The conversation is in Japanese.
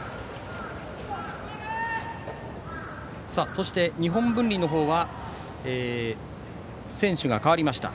そして日本文理の方は選手が代わりました。